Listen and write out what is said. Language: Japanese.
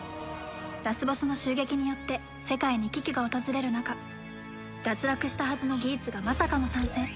ラスボスの襲撃によって世界に危機が訪れる中脱落したはずのギーツがまさかの参戦